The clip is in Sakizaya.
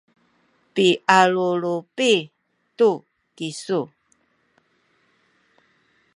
pialulupi tu kisu